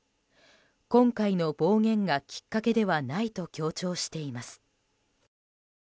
今回の暴言がきっかけではないと強調しています。